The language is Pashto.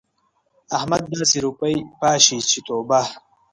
احمد داسې روپۍ پاشي چې توبه!